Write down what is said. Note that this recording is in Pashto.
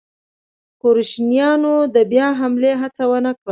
کروشیایانو د بیا حملې هڅه ونه کړل.